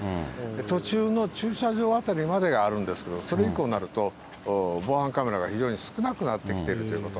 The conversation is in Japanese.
途中の駐車場辺りまではあるんですけど、それ以降になると、防犯カメラが非常に少なくなってきているということ。